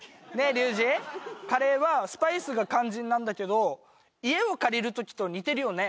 隆志カレーはスパイスが肝心なんだけど家を借りるときと似てるよね